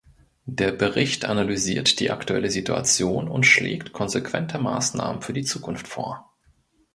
Der Bericht analysiert die aktuelle Situation und schlägt konsequente Maßnahmen für die Zukunft vor.